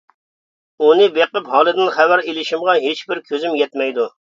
ئۇنى بېقىپ ھالىدىن خەۋەر ئېلىشىمغا ھېچ بىر كۆزۈم يەتمەيدۇ.